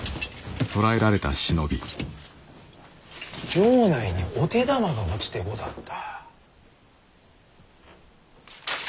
城内にお手玉が落ちてござった。